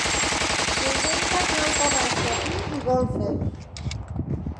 Presenta planta baixa, pis i golfes.